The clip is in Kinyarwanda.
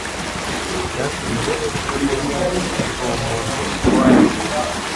byatumye utamenya uwo muntu uwo ariwe